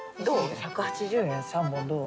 １８０円３本どう？